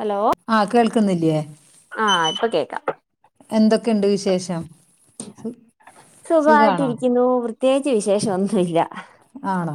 Hello ആഹ കേൾക്കുന്നില്ലേ ആഹ് ഇപ്പൊ കേക്കാം എന്തൊക്കെയുണ്ട് വിശേഷം സു സുഖാണോ സുഖമായിട്ടിരിക്കുന്നു പ്രത്യേകിച്ച് വിശേഷം ഒന്നുല്ല ആണോ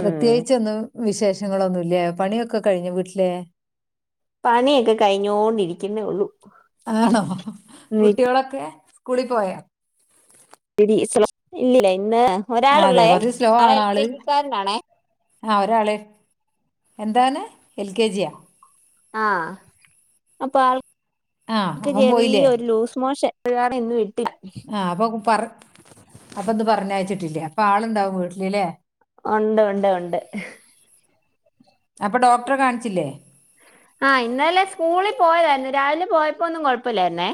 പ്രത്യേകിച്ച് ഒന്നും വിശേഷങ്ങളൊന്നുമില്ലേ പണിയൊക്കെ കഴിഞ്ഞോ വീട്ടിലെ പണിയൊക്കെ കഴിഞ്ഞോണ്ടിരിക്കുന്നേ ഉള്ളൂ ആണോ കുട്ടികളൊക്കെ സ്കൂളിൽ പോയാ ഇല്ലില്ല പിന്നെ ആ, അതെ ഒരാളൊള്ളേ കുറച്ച് സ്ലോ ആൾ ആണ് എൽ കെ ആള് ജിക്കാരനാണേ ആ ഒരാള് എന്താണ് എൽ കെ ജിയാ ആഹ അപ്പൊ ആ ആൾക്ക് അവൻ ഈ പോയില്ലേ ഒരു ലൂസ് മോഷൻ പിഴട എന്നന്ന് [unintelligible] ആഹ് അപ്പൊ ഇന്ന് പറഞ്ഞയച്ചിട്ടില്ല അപ്പൊ ആളുണ്ടാവും വീട്ടിലല്ലേ ഉണ്ട് ഉണ്ട് ഉണ്ട് അപ്പൊ ഡോക്ടറെ കാണിച്ചില്ലേ ആഹ ഇന്നലെ സ്കൂളിൽ പോയതായിരുന്നു രാവിലെ പോയപ്പോന്നും കൊഴപ്പൊല്ലായിരുന്നേ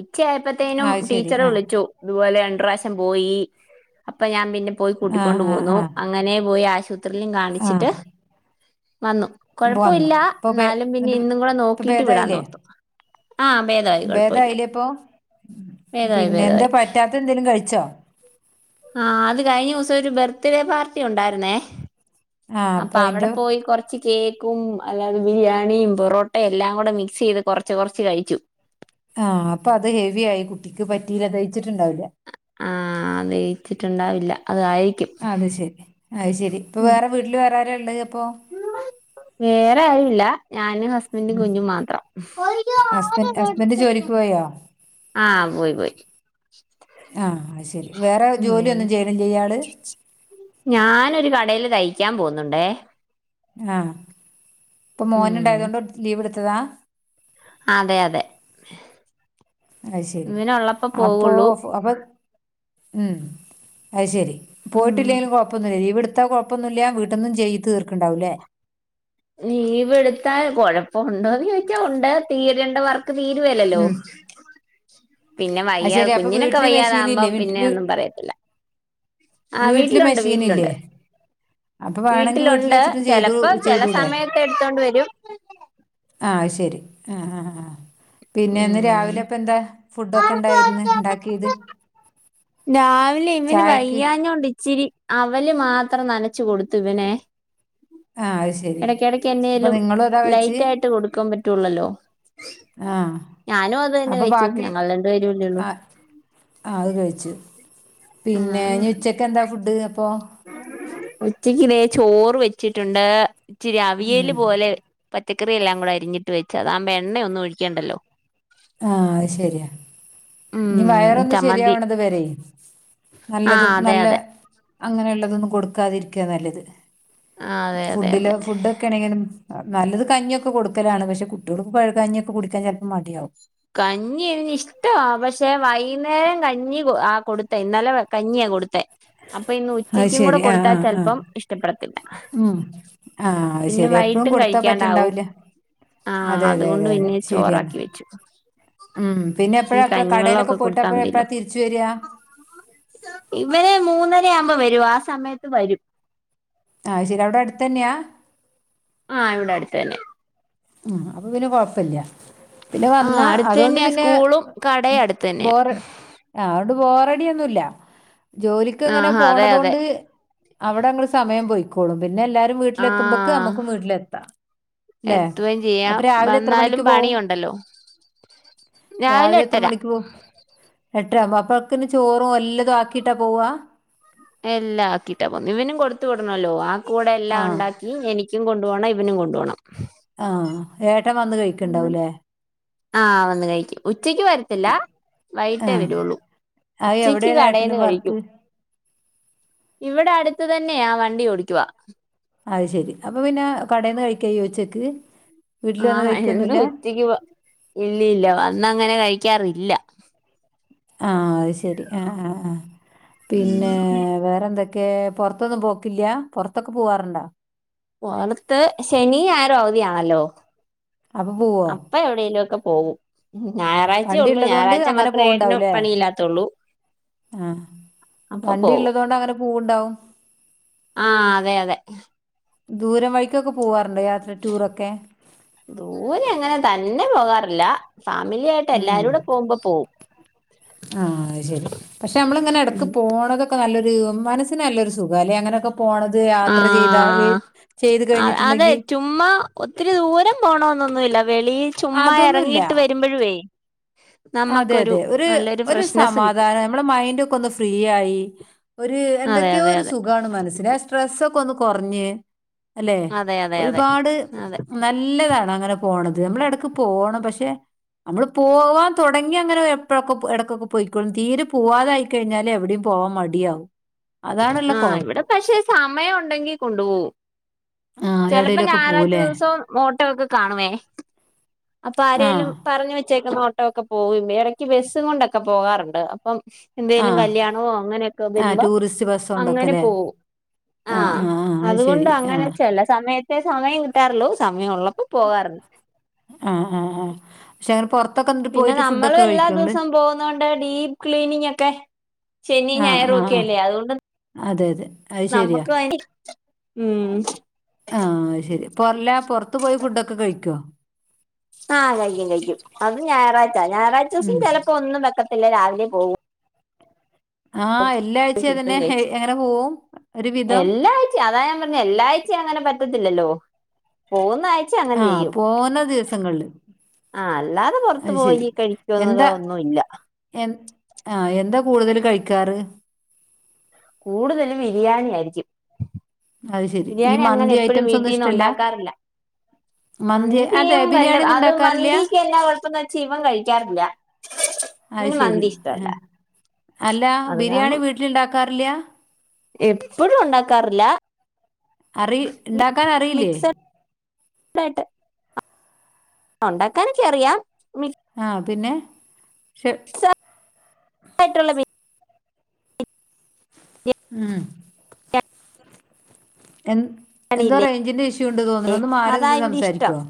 ഉച്ചയപ്പോത്തേനും ആ അത് ശരി ടീച്ചറെ ആ വിളിച്ചു ഇതുപോലെ രണ്ട് പ്രാവിശ്യം പോയി അപ്പൊ ഞാൻ പിന്നെ പോയി ആ കൂട്ടിക്കൊണ്ടുപോന്നു ആ അങ്ങനെ പോയി ആശുപത്രിലും ആ കാണിച്ചിട്ട് ആ വന്നു വന്നു കൊഴപ്പയില്ല ഇപ്പൊ ഭേ ന്നാലും പിന്നെ എന്നിട്ട് ഇന്നും കൂടെ ഇപ്പൊ നോക്കിട്ട് ഭേദായില്ലേ വിടാന്നോർത്തു ആ ഭേദായി കുഴപ്പയില്ല ഭേദായില്ലേ ഇപ്പൊ ഭേദായി പിന്നെ എന്താ ഭേദായി പറ്റാത്ത എന്തേലും കഴിച്ചോ ആ അത് കഴിഞ്ഞ ദിവസം ഒരു ബർത്ത്ഡേ പാർട്ടി ഒണ്ടാരുന്നേ ആ അപ്പൊ അവിടെ അതിന്റെ പോയി കൊറച്ച് കേ ക്കും അല്ലാതെ ബിരിയാണിയും പൊറോട്ടയും എല്ലാം കൂടെ മിക്സ് ചെയ്ത് കൊറച്ച് കൊറച്ച് കഴിച്ചു ആ അപ്പൊ അത് ഹെവി ആയി കുട്ടിക്ക് പറ്റീല ദെയിച്ചിട്ടുണ്ടാവില്ല ആ ദെയി ച്ചിട്ടുണ്ടാവില്ല അതായിരിക്കും ആ അത് ശരി അത് ശരി ഇപ്പൊ മ് വേറെ വീട്ടിൽ വേറെ ആരാ ഉള്ളത് അപ്പൊ വേറെ ആരുവില്ല ഞാനും ഹസ്ബെൻറും കുഞ്ഞും മാത്രം ഹസ്ബൻഡ് ഹസ്ബൻഡ് ജോലിക്ക് പോയോ ആ പോയി പോയി അയ് ശരി വേറെ ജോലി ഉം ഒന്നും ചെയ്യണില്ലെ ഇയാള് ഞാനൊരു കടയില് തയ്ക്കാൻ പോവുന്നുണ്ടേ ആ ഇപ്പൊ ഉം മോനുണ്ടായതു കൊണ്ട് ലീവ് എടുത്തതാ അതെ അതെ അത് ശരി ഇങ്ങനെ ഉള്ളപ്പോ പോവുള്ളു ഉം അയ് ശരി ഉം പോയിട്ടില്ലെല് കൊഴപ്പൊന്നില്ല ലീവെടു ത്താ കൊഴപ്പൊന്നുയില്ല വീട്ട്ന്ന് ചെയ് തീർക്ക്ണ്ടാവല്ലെ ലീവെടുത്താ കൊഴപ്പുണ്ടോന്ന് ചോദിച്ചാ ഉണ്ട് തീരേണ്ട വർ ക്ക് തീരുവേലല്ലോ പിന്നെ അത് വയ്യാതെ ശരി അപ്പോൾ കുഞ്ഞിനൊക്കെ വീട്ടിൽ മെഷീൻ വയ്യാതാവുമ്പം പിന്നെ ഒന്നും പറയത്തില്ല ആ വീട്ടില് വീട്ടിലുണ്ട് മെഷീനില്ലേ വീട്ടിലുണ്ട് അപ്പൊ വേണങ്കി വീട്ടിൽ വീട്ടിലുണ്ട് വെച്ചിട്ടും ചെയ്തു ചെലപ്പോ ചെല ചെയ്തൂടെ സമയത്ത് എടുത്തോണ്ട് വരും അയ് ശരി ആ ആ ആ പിന്നെന്ന് ഉം രാവിലെ അപ്പ എന്താ ഫുഡൊക്കെ ഇണ്ടായിര്ന്ന് ഇണ്ടാക്കിയത് രാവിലെ ഇവന് വയ്യഞ്ഞോണ്ട് ഇച്ചിരി അവല് മാത്രം നനച്ചു കൊടുത്തു ഇവനെ ആ അയ്ശരി ഇടക്കിടക്ക് അപ്പൊ എന്നേലും നിങ്ങളും അതാ കഴിച്ച് ലൈറ്റ് ആയിട്ട് കൊടുക്കാൻ പറ്റുള്ളല്ലോ ആ ഞാനും അത് തന്നെ അപ്പൊ കഴിച്ചു ബാക്കിൾ ഞങ്ങൾ രണ്ടുപേരുല്ലേള്ളൂ ആ ആ അത് കഴിച്ച് പിന്നെ ആഹ് നി ഉച്ചക്ക് എന്താ ഫുഡ് അപ്പൊ ഉച്ചക്ക് വേ ചോറ് വെച്ചിട്ടുണ്ട് ഇച്ചിരി അവിയല് ഉം പോലെ പച്ചക്കറി എല്ലാം കൂടെ അരിഞ്ഞിട്ട് വെച്ച അതാവുമ്പോ എണ്ണ ഒന്നും ഒഴിക്കേണ്ടല്ലോ ആ അയ് ശരിയാ നി ഉം വയറൊന്ന് ചമ്മന്തി ശരിയാവണത് വരെ ആഹ് നല്ലതും അതെ നല്ല അതെ അങ്ങനെയള്ളതൊന്നും കൊടുക്കാതിരിക്ക നല്ലത് അതെ അതെ ഫുഡിലോ അതെ ഫുഡൊക്കെണെങ്കിലും നല്ലത് കഞ്ഞിയൊക്കെ കൊടുക്കലാണ് പക്ഷെ കുട്ടികൾക്ക് പഴകഞ്ഞിയൊക്കെ കുടിക്കാൻ ചെലപ്പം മടിയാവും കഞ്ഞി ഇവന് ഇഷ്ട പക്ഷെ വൈന്നേരം കഞ്ഞി ആ കൊടുത്തെ ഇന്നലെ കഞ്ഞിയാ കൊടുത്തെ അപ്പൊ ഇന്ന് അത് ഉച്ചക്കും കൂടെ ശരി ആഹ് കൊടുത്താൽ ആഹ് ആഹ് ചെലപ്പം ഇഷ്ടപ്പെട ഉം ആഹ് അത് പിന്നെ ശരി എപ്പഴും വൈട്ടും കൊടുത്താ കഴിക്കാണ്ടാവും പറ്റ്ണ്ടാവില്ല ആ അതെ അതെ അതുകൊണ്ട് അതെ അതെ പിന്നെ ശരിയാണ് ചോറാക്കി വെച്ചു ഉം പിന്നെ ഈ എപ്പഴാ എപ്പഴാ കടയിലൊക്കെ കഞ്ഞിവെള്ളവൊക്കെ പോയിട്ട് എപ്പഴ എപ്പഴാ കൊടുത്താമതിലോ തിരിച്ചു വരിക ഇവര് മൂന്നര ആവുമ്പോ വരും ആ സമയത്ത് വരും ആ ശെരി അവിടെ അട്ത്തന്നെയാ ആ ഇവിടെ അടുത്ത് തന്നെ മ് അപ്പൊ പിന്നെ കൊഴപ്പില്ല പിന്നെ ആഹ് വന്നാ അടുത്ത് അതുകൊണ്ട് തന്നെയാ പിന്നെ സ്കൂളും കടയും അടുത്ത് തന്നെയാ ബോറ് ആ ത് ബോറടിയൊന്നൂല്ല ജോലിക്ക്ങ്ങനെ ആഹാ അതെ അതെ പോണതുകൊണ്ട് അവിടെ ങ്ങളെ സമയം പോയ്ക്കോളും പി പിന്നെ എല്ലാരും വീട്ട്ലെത്തുമ്പക്ക് ആഹ് അമ്മക്കും വീട്ട്ലെത്താ ല്ലെ എത്തുകയും ചെയ്യാം വന്നാലും പണിയുണ്ടല്ലോ രാവിലെ എത്രെ മണിക്ക് പോവും എ ട്ട്‌രാവുമ്പം അപ്പോഴൊക്കിന് ചോറും എല്ലതും ആക്കീട്ടാ പോവാ തിന്നാേല്ലോ ആ കൂടെ എല്ലാം ആഹ് ഉണ്ടാക്കി എനിക്കും കൊണ്ട് പോണം ഇവനും കൊണ്ട് പോണം ആഹ് ഏട്ടൻ വന്ന് അങ്ങനെ കഴിക്ക്ണ്ടാവുലേ ആഹ് വന്ന് കഴിക്കും ഉച്ചയ്ക്ക് വരത്തില്ല വൈകിട്ടേ ആഹ് വെരുവൊള്ളൂ അത് ഉച്ചയ്ക്ക് എവിടെയാണ് ഏട്ടന് കടേന്ന് കഴിക്കും വർക്ക് ഇവിടെ അട്ത്ത് തന്നെയാ വണ്ടി ഓടിയ്ക്കുവാ അത് ശെരി അപ്പൊ പിന്നെ കടേന്ന് കഴിക്കാ ചെയ്യ ഉച്ചക്ക് വീട്ടിൽ വന്ന് ആഹ് എന്നും കഴിക്കൊന്നുല്ല ഉച്ചയ്ക്ക് ഇല്ലല്ല വന്ന അങ്ങനെ കഴിക്കാറി ഇല്ലാ ആഹ് അത് ശെരി ആഹ് ആഹ് ആഹ് ഉം പിന്നേ വേറെന്തൊ ക്കേ പൊറത്തൊന്നും പോക്കില്ലാ പൊറത്തൊക്കെ പോവാറ്ണ്ടാ? പൊറത്ത് ശനി ഞായറും അവധിയാണല്ലോ അപ്പൊ പോവോ അപ്പ എവിടേലും ഒക്കെ പോവും ഞായറാഴ്‌ച്ചേ വണ്ടി ഒള്ളു ഇള്ളതോണ്ട് ഞായറാഴ്ച്ച അങ്ങനെ മാത്രേ ഏട്ടന് പോവ്ണ്ടാവുംല്ലേ പണിയില്ലാത്തൊള്ളു ആഹ് വണ്ടി ഇള്ളതോണ്ട് അങ്ങനെ പൂവ്ണ്ടാവും ആഹ് അതെ അതെ ദൂരം വയ്ക്കൊക്കെ പോവാ ദൂരെ അങ്ങെനെ തന്നെ പോകാറില്ലാ ഫാമിലി ആയിട്ട് എല്ലാരൂടെ പോകുമ്പം പോവും ആഹ് അത് ശെരി പക്ഷെ അമ്മള്ങ്ങെനെ എടെക്ക് ഉം പോണതൊ ക്കെ നല്ലൊര് മനസ്സിന് നല്ലൊരു സുഖാലെ അങ്ങനൊക്കെ പോണത് ആ യാത്ര ചെയ്താ ചെയ്ത് അതെ കയ്ഞ്ഞിട്ട്ണ്ടെങ്കി ന്നൊന്നു ഇല്ല വെളീൽ ചുമ്മാ എറെങ്ങീട്ട് വെരുമ്പഴുവേ അതെ അതെ ഒരു ഒരു ഫ്രഷ്നെസ്സ് കിട്ടും സമാധാനം നമ്മടെ മൈൻന്റൊക്കെ ഒന്ന് ഫ്രീ ആയി ഒരു. ഒരു അതെ എന്തൊക്കെയോ അതെ ഒരു അതെ സുഖാണ് മനസ്സിന് സ്ട്രെസ്സൊക് ക്കൊന്ന് കൊറഞ്ഞ് അല്ലെ അതെ അതെ അതെ ഒരുപാട് അതെ നല്ലതാണ് അങ്ങനെ പോണത്. ക്ക് പോണം പക്ഷേ നമ്മള് പോവാൻ തൊടങ്ങി അങ്ങനെ എപ്പോയൊക്കെ ഇടക്കൊക്കെ പോയിക്കോളും തീരെ പോവാതായിക്കഴിഞ്ഞാല് എവിടെയും പോ പോവാൻ മടിയാവും. അതാണുള്ള ആഹ് കുഴപ്പം ഇവിടെ പക്ഷേ സമയുണ്ടെങ്കി കൊണ്ടു പോവും. ആ ചെലപ്പോ എവിടേലൊക്കെ ഞായറാഴ്ച പോവുല്ലേ ദിവസം ഓട്ടോ ഒക്കെ കാണുവേ. അപ്പൊ ആ ആരേലും പറഞ്ഞ വെച്ചേക്കുന്ന ഓട്ടോ ഒക്കെ പോകും എടയ്ക്ക് ബസ്സും കൊണ്ടൊക്കെ പോകാറുണ്ട്. പ്പം എന്തേലും കല്ല്യാണമോ അങ്ങനെയൊക്കെ വരുമ്പോ. അങ്ങനെ സിവസ്വണ്ടാക്കല്ലേ. പോവും ആഹ് അതുകൊണ്ടങ്ങനെ ചെല സമയത്തെ സമയം കിട്ടാറുള്ളൂ സമയ ഉള്ളപ്പോ. പോകാറുണ്ട് അഹ് ആഹ് ചെല പിന്നെ നമ്മള് എല്ലാ ദിവസം പോകുന്നോണ്ട് ഡീപ്പ് ക്ലീനിങ് ഒക്കെ. ശനി ആ ഞായറു ആ ഒക്കെ ആ അല്ലേ അതുകൊണ്ട്. അതെ അതെ അത് ശരിയാ നമ്മുക്ക് അയിന് ഉം ആഹ് അയ്ശരി. പൊർല്ല പൊർത്തു പോയി ഫുഡൊക്കെ കഴിക്കോ? ആഹ് കഴിക്കും കഴിക്കും അത് ഞായറാഴ്ച ഞായറാഴ്ച ഉം ദിവസം ചെലപ്പോ ഒന്നും വെക്കത് ത്തില്ല രാവിലെ പോവും. ആഹ് എല്ലാഴ്ചതന്നെ എങ്ങനെ പോകും. എല്ലാഴ്ച്ചിം അതാ ഞാൻ പറഞ്ഞു എല്ലാ ആഴ്ച്ചിം അങ്ങനെ പറ്റത്തില്ലല്ലോ പോ ആഹ് പോന്ന ദിവസങ്ങളില്. ആഹ് അല്ലാതെ പുറത്തു അത് ശരി പോയി കഴിക്കുന്നുക എന്താ ഒന്നുമില്ല എൻ ആ എന്താ. കൂടുതല് കഴിക്കാറ്? കൂടുതല് ബിരിയാണി ആയിരിക്കും. അത് ശരി ഈ ബിരിയാണി അങ്ങനെ മന്തി എപ്പോഴും ഐറ്റംസ് ഒന്നും വീട്ടിൽന്ന് ഇഷ്ടല്ല ഉണ്ടാക്കാറില്ല. മന്തി അതെ മന്തിയും വല്ല ബിരിയാണി ഒന്നും അത് ഉണ്ടാക്കാറില്ല മന്തിക്ക് എല്ലാ കൊഴപ്പന്ന് വെച്ചാ ഇവൻ കഴിക്കാറില്ല അത് ഇവന് ശരി മന്തി ഇഷ്ടല്ല ആ അല്ല ബിരിയാണി വീട്ടിലിണ്ടാക്കാറില്ല എപ്പോഴും ഉണ്ടാക്കാറില്ല അറി ഉണ്ടാക്കനറിയില്ലേ തായിട്ട് ഉണ്ടാക്കാനൊക്കെ അറിയാം ആഹ പിന്നെ പക്ഷെ [inaudible] യിട്ടുള്ള ഉം എ എന്തോ റേഞ്ചിന്റെ ഇഷ്യുണ്ട് തോന്നുണ്ടു ഒന്ന് അതാ മാറിന്ന് ഇവിടെ ഇഷ്ടം സംസാരിക്കുവോ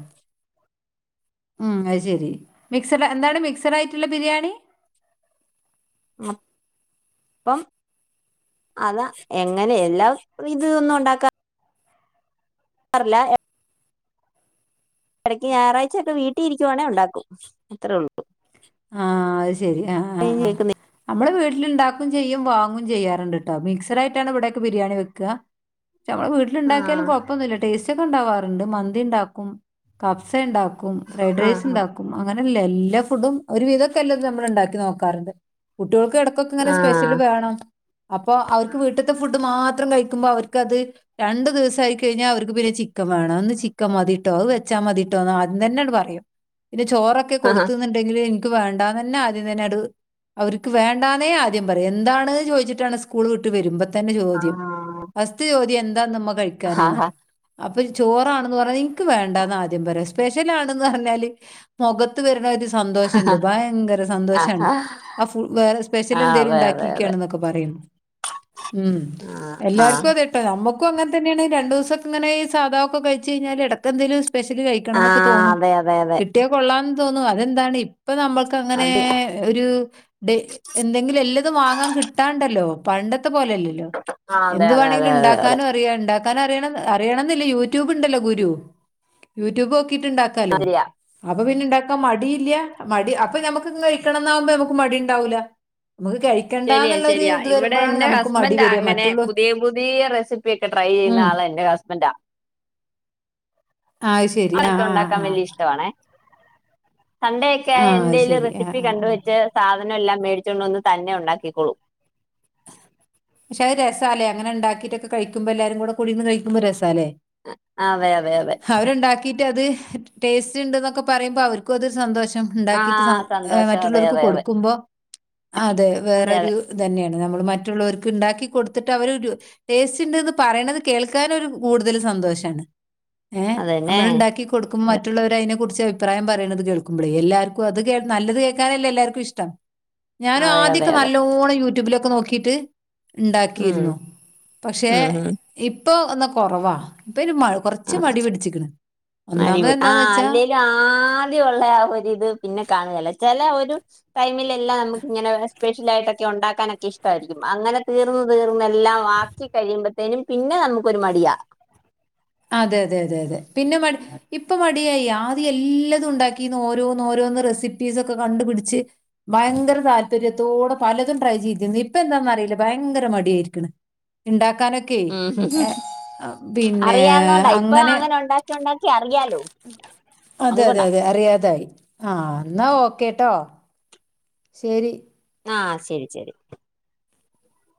ഉം അത് ശരി മിക്സഡ എന്താണ് മിക്സഡായിട്ടുള്ള ബിരിയാണി ആ അപ്പം അതാ എങ്ങനെ എല്ലാ ഇതൊന്നും ഉണ്ടാക്കാ ക്കറില്ല ഇടക്ക് ഞായറാഴ്ചൊക്കെ വീട്ടിൽ ഇരിക്കുവാണേ ഉണ്ടാക്കും അത്രേ ഉള്ളൂ ആഹ അത് ശെരി ആ ആ് നമ്മള് വീട് വീട്ടില്ണ്ടാക്കും ചെയ്യും വാങ്ങും ചെയ്യാറുണ്ട് ട്ടോ മിക്സഡായിട്ടാണ് ഇവിടൊക്കെ ബിരിയാണി വെക്കുക നമ്മുടെ വീട്ടിലുണ്ടാക്ക്‌യാലും ആഹ് കുഴപ്പൊന്നുമില്ല ടേസ്റ്റ് ഒക്കെ ഉണ്ടാവാറുണ്ട് മന്തി ഉണ്ടാക്കും കഫ്സ ണ്ടാക്കും കും ഫ്രൈഡ് റൈസ് ആഹ് ഉണ്ടാക്കും അങ്ങനെയല്ലേ എല്ലാ ഫുഡും ഒരു വിധതൊക്കെ എല്ലതും നമ്മളിണ്ടാക്കി നോക്കാറുണ്ട് കുട്ടികൾക്ക് എടക്കൊക്കെങ്ങനെ സ്പെഷ്യല് ആഹ് വേണം അപ്പൊ അവർക്ക് വീട്ട്ത്തെ ഫുഡ് മാത്രം കഴിക്കുമ്പോ അവർക്കത് രണ്ടു ദിവ സായി കഴിഞ്ഞാ അവർക്ക് പിന്ന ചിക്കൻ വേണം ഇന്ന് ചിക്കൻ മതിട്ടോ അത് വെച്ച മതിട്ടോന്നോ ആദ്യം തന്നെ അങ്ങോട്ട് പറയും പിന്നെ ചോറൊക്കെ ആഹ് കൊടുത്തൂന്നുണ്ടെങ്കിൽ ക്ക് വേണ്ടന്നെ ആദ്യം തന്നെ ടു അവർക്ക് വേണ്ടാന്നേ ആദ്യം പറയും എന്താണ്ന്ന് ചോദിച്ചിട്ടാണ് സ്കൂൾ വിട്ട് വരുമ്പോ തന്നെ ചോദ്യം ഫസ്റ്റ് ചോദ്യം എന്താന്ന് മ്മ കഴിക്കാനെന്ന ആഹ് അപ്പൊ ചോറാണെന്ന് പറഞ്ഞാൽ ഇൻക്ക് വേണ്ടന്നാദ്യം പറയാ. സ്പെഷ്യലാണെന്ന് പറഞ്ഞാല് മുഖത്ത് വരണൊരു സന്തോഷ ണ്ട് ഭയങ്കര സന്തോഷാണ് ആ ഫു- വേറെ സ്പെഷ്യൽ ആ അതെ അതെ അതെ എന്തേലുണ്ടാക്കീക്കാണ് ന്നൊക്കെ പറയും ഉം ആഹ് ആഹ് എല്ലാർക്കും ഇതേട്ടോ നമ്മക്ക് ക്കും അങ്ങൻ തന്നേണ് രണ്ട സെക്കങ്ങനെ സാധ ഒക്കെ കഴച്ചഴിഞ്ഞാൽ ഇടക്കെന്തെലും സ്പെഷ്യലി കഴിക്കണംന്നൊക്കെ ആഹ് തോന്നു അതെ അതെ അതെ കിട്ടിയാ കൊള്ളാംന്ന് തോന്നും അതെന്താണ് ഇപ്പൊ നമ്മൾക്ക് അങ്ങനെ അതെ ഒരു എന്തെങ്കിലും എല്ലതും വാങ്ങാൻ കിട്ടാണ്ടല്ലോ പണ്ടത്തെ പോലെല്ലല്ലോ ആഹ് അതെ എന്ത് അതെ അതെ വേണെങ്കിലും അതെ അതെ ണ്ടാക്കാനും അറിയാ ൻ അറിയണം അറിയണം ന്നില്ല്യ യൂട്യൂബ്ണ്ടല്ലോ ഗുരു യൂട്യൂബോക്കി ക്കിട്ടിണ്ടാക്കാലോ ശരിയാ അപ്പൊ പിന്നെ ഇണ്ടാക്കാൻ മടീല്ല്യാ മടി അപ്പൊ മ്മക്ക് കഴിക്കണംന്നാവുമ്പോ നമുക്ക് മടി ഉണ്ടാവൂല ശരിയ ശരിയാ ഇവിടെ എൻ്റെ നമുക്ക് മടി വരാ. ഹസ്ബൻ്റങ്ങനെ മറ്റുള്ള പുതിയ പുതിയ റെസിപ്പി ഒക്കെ ട്രൈ ചെയ്യുന്ന ഉം. ആളെ എന്റെ ഹസ്ബൻറാ ആ ശെരി അതൊക്കെ ആഹ ആ ഉണ്ടാക്കാൻ ആഹ സണ്ടേൊക്കെ അത് എന്തേലും ശരി. ആ റെസിപ്പി ആ ആ. കണ്ടുവെച്ച് സാധന എല്ലാം മേടിച്ചോണ്ടന്ന് തന്നെ ഉണ്ടാക്കിക്കൊളും പക്ഷെ അത് രസാലേ അങ്ങനെണ്ടാക്കിട്ടൊക്കെ കഴിക്കുമ്പോ എല്ലാരും കൂടിർന്ന് കഴിക്കുമ്പോ രസാലേ അതെ അതെ അതെ അവരുണ്ടാക്കിട്ട് അത് ടേസ്റ്റ് ണ്ട്ന്നൊക്കെ പറയുമ്പോ അവർക്കും അതൊരു സന്തോഷം ഉണ്ടാക്കിട്ട് ആഹ് സന്തോഷം അതെ മറ്റുള്ളവർക്ക് അതെ അതെ കൊടുക്കുമ്പോ അതെ അതെ അതെ വേറരു തന്നേണ് നമ്മൾ മറ്റുള്ളവർക്ക് ഉണ്ടാക്കി കൊടുത്തിട്ട് അവര് ടേസ്റ്റ് ഉണ്ട്ന്ന് പറയണത് കേൾക്കാന് ഒരു കൂടുതൽ സന്തോഷാണ് ഏഹ് അതന്നെ നമ്മൾ ണ്ടാക്കി കൊടുക്കുമ്പോ അതെ മറ്റുള്ളവരയ്നെ കുറിച്ച് അഭിപ്രായം പറയണത് കേൾക്കുമ്പോളേ എല്ലാർക്കും അത് നല്ലത് കേക്കാനല്ലേ എല്ലാവർക്കും ഇഷ്ടം ഞാനും അതെ അതെ ആദ്യൊക്കെ അതെ നല്ലോണം. യൂട്യൂബിലൊക്കെ നോക്കിട്ട്. ഉം ഉണ്ടാക്കിയിരുന്നു. പക്ഷെ ഉം ഉം ഇപ്പൊ എന്നാ കൊറവാ. ഇപ്പൊ ഒരു മ കൊറച്ച് മടി പിടിച്ചിക്ക്ണ് അരിവ് ആ അല്ലേലു ആദ്യ ഒള്ളേ ആ ഒരിത് പിന്നെ കാണ്കേല. ചെലെ ഒരു ടൈമിലെല്ലാം. നമ്മക്കിങ്ങനെ സ്പെഷ്യൽ ആയിട്ടൊക്കെ ഒണ്ടാക്കാനൊക്കെ ഇഷ്ടായിരിക്കും. അങ്ങനെ തീർന്ന് ർന്ന് തീർന്ന് എല്ലാം ആക്കി കഴിയുമ്പത്തേനും പിന്നെ നമുക്കൊരു മടിയാ അതെ അതെ അതെ അതെ പിന്നെ മടി ഇപ്പൊ മ ടിയായി ആദ്യ എല്ലതുണ്ടാക്കീന്ന്. ഓരോന്നോരോന്ന് റെസിപ്പീസൊക്കെ കണ്ട് പിടിച്ച്. ഭയങ്ക താല്പര്യത്തോടെ പലതും ട്രൈ ചെയ്തീന്ന് ഇപ്പെന്താന്നറീല ഭയങ്കര മടിയായിരിക്ക്ണ്, ണ്ടാക്കാ ണ്ടാക്കാനൊക്കെയ്, ഏ എ പി അറിയാവന്നോണ്ട ഇപ്പൊ അങ്ങനൊണ്ടാക്കിയൊണ്ടാക്കിയ അതെ അതെ അതെ അറിയാതായി ആഹ് എന്നാ ഓക്കേട്ടോ ശേരി ആഹ് ശരി ശരി